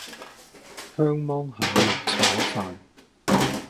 香芒蟹肉炒飯